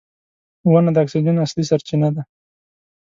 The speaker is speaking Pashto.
• ونه د اکسیجن اصلي سرچینه ده.